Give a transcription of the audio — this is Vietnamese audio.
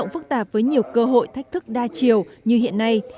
phức tạp với nhiều cơ hội thách thức đa chiều như hiện nay